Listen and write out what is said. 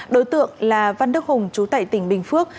đối tượng là văn đức hùng trú tại tỉnh bình phước